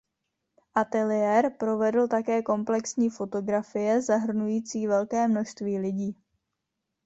Ateliér provedl také komplexní fotografie zahrnující velké množství lidí.